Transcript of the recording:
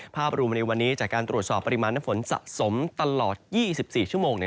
ภาพรวมในวันนี้จากการตรวจสอบปริมาณน้ำฝนสะสมตลอด๒๔ชั่วโมง